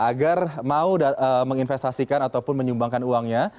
agar mau menginvestasikan ataupun menyumbangkan uangnya